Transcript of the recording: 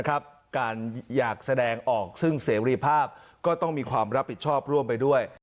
การอยากแสดงออกซึ่งเสรีภาพก็ต้องมีความรับผิดชอบร่วมไปด้วย